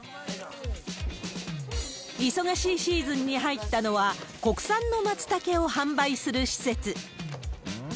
忙しいシーズンに入ったのは、国産のマツタケを販売する施設。